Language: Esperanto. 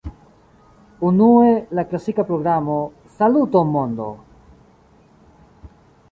Unue, la klasika programo "Saluton, mondo!